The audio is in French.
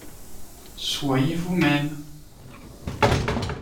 Soyez vous-mêmes.